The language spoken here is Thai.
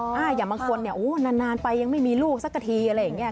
อย่างบางคนเนี่ยโอ้นานไปยังไม่มีลูกสักทีอะไรอย่างนี้